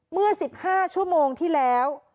เมื่อ๑๕ชั่วโมงที่แล้ว